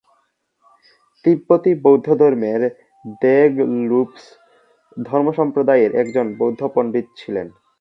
তিব্বতী বৌদ্ধধর্মের দ্গে-লুগ্স ধর্মসম্প্রদায়ের একজন বৌদ্ধ পণ্ডিত ছিলেন।